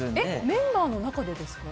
メンバーの中でですか？